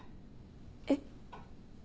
えっ。